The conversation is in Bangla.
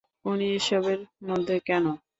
উনি এসবের মধ্যে কেন?